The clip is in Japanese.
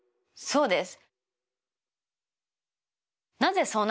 そうです。